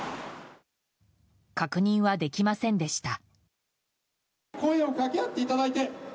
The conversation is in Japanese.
確認はできませんでした。